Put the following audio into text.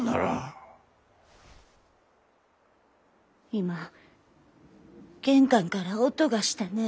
今玄関から音がしたねえ？